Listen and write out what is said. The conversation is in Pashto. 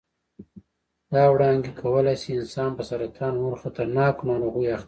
دا وړانګې کولای شي انسان په سرطان او نورو خطرناکو ناروغیو اخته کړي.